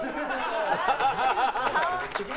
ハハハハ！